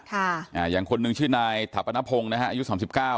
ค่ะอ่าอย่างคนหนึ่งชื่อนายถาปนพงศ์นะฮะอายุสามสิบเก้า